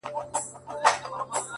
دده مخ د نمکينو اوبو ډنډ سي!